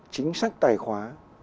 chính sách tài khoá